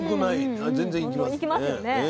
全然行きますね。